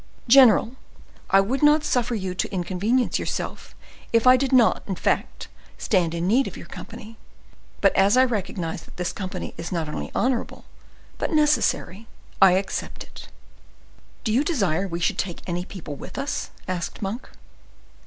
"General, I would not suffer you to inconvenience yourself if I did not, in fact, stand in need of your company; but as I recognize that this company is not only honorable, but necessary, I accept it." "Do you desire we should take any people with us?" asked Monk.